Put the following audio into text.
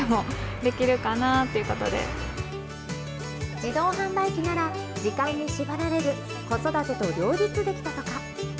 自動販売機なら、時間に縛られず、子育てと両立できたとか。